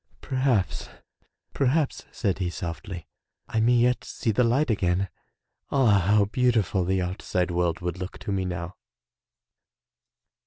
"Perhaps, perhaps," said he softly, "I may yet see the light again. Ah, how beautiful the outside world would look to me now!"